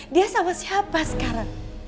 dia sama siapa sekarang